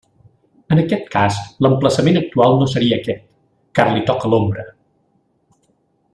En aquest cas l'emplaçament actual no seria aquest, car li toca l'ombra.